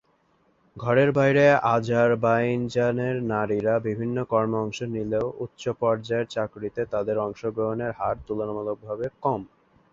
ঘরের বাইরে আজারবাইজানের নারীরা বিভিন্ন কর্মে অংশ নিলেও, উচ্চ-পর্যায়ের চাকুরিতে তাদের অংশগ্রহণের হার তুলনামূলকভাবে কম।